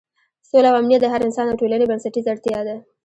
سوله او امنیت د هر انسان او ټولنې بنسټیزه اړتیا ده.